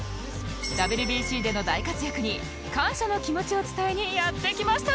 ＷＢＣ での大活躍に感謝の気持ちを伝えにやって来ました！